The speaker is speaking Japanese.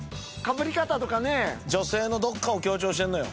女性のどっかを強調してんのよ。